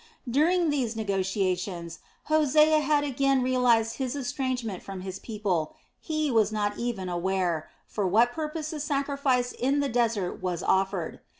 During these negotiations Hosea had again realized his estrangement from his people, he was not even aware for what purpose the sacrifice in the desert was offered.